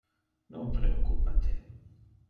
Non preoccupa te!